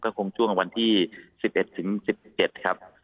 คงช่วงวันที่๑๑ถึง๑๗ครับ